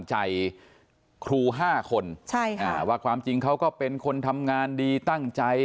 ใจครูห้าคนใช่ค่ะอ่าว่าความจริงเขาก็เป็นคนทำงานดีตั้งใจ